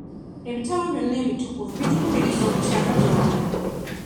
Ebitabo byonna ebitukuvu bitukubiriza okutya Katonda.